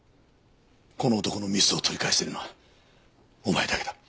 この男のミスを取り返せるのはお前だけだ。